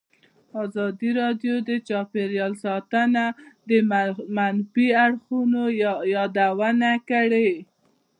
ازادي راډیو د چاپیریال ساتنه د منفي اړخونو یادونه کړې.